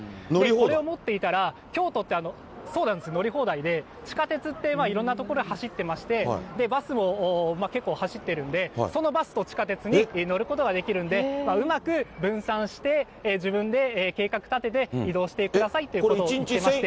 これを持っていったら、京都って、そうなんです、乗り放題で、地下鉄っていろんな所走ってまして、バスも結構走ってるんで、そのバスと地下鉄に乗ることができるんで、うまく分散して、自分で計画立てて移動してくださいということを言っていまして。